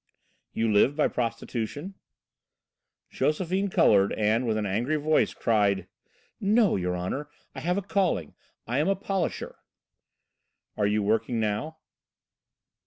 "You live by prostitution?" Josephine coloured and, with an angry voice, cried: "No, your honour, I have a calling. I am a polisher." "Are you working now?"